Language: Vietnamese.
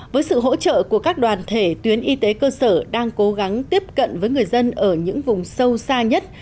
với sự hỗ trợ của các đoàn thể tuyến y tế cơ sở đang cố gắng tiếp cận với người dân ở những vùng sâu xa nhất